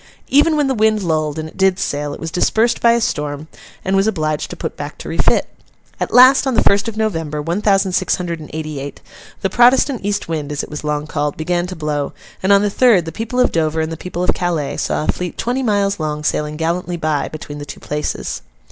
Even when the wind lulled, and it did sail, it was dispersed by a storm, and was obliged to put back to refit. At last, on the first of November, one thousand six hundred and eighty eight, the Protestant east wind, as it was long called, began to blow; and on the third, the people of Dover and the people of Calais saw a fleet twenty miles long sailing gallantly by, between the two places.